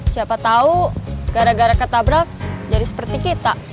siapa tahu gara gara ketabrak jadi seperti kita